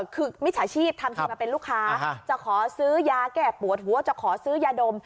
คือมิจฉาชีพทำทีมาเป็นลูกค้าจะขอซื้อยาแก้ปวดหัวจะขอซื้อยาดม